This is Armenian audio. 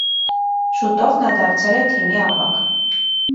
Շուտով նա դարձել է թիմի ավագ։